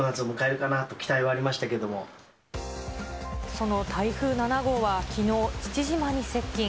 その台風７号はきのう、父島に接近。